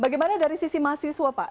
bagaimana dari sisi mahasiswa pak